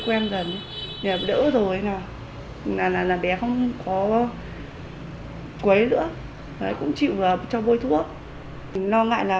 quen dần thì là đỡ rồi nè là là là bé không có quấy nữa đấy cũng chịu cho vô thuốc nói ngại là